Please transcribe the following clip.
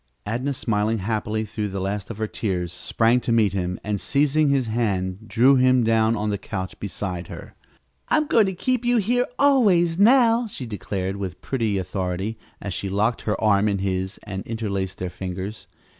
Adnah, smiling happily through the last of her tears, sprang to meet him, and, seizing his hand, drew him down on the couch beside her. "I'm going to keep you here always, now," she declared with pretty authority, as she locked her arm in his and interlaced their fingers.